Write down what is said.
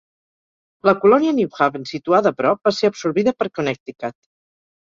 La colònia New Haven, situada a prop, va ser absorbida per Connecticut.